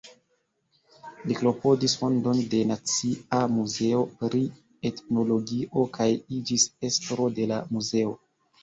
Li klopodis fondon de Nacia Muzeo pri Etnologio kaj iĝis estro de la muzeo.